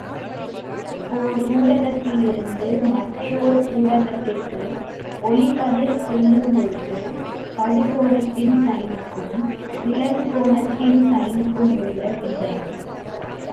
ஒர் ஊடகத்திலிருந்து மற்றோர் ஊடகத்திற்கு ஒளிக்கதிர் செல்லும் பொழுது படுகோணத்தின் சைனுக்கும் விலகு கோணத்தின் சைனுக்குமுள்ள வீதம்.